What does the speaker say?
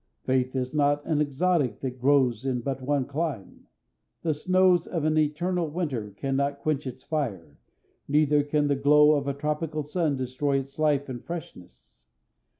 Faith is not an exotic that grows in but one clime. The snows of an eternal Winter can not quench its fire, neither can the glow of a tropical sun destroy its life and freshness.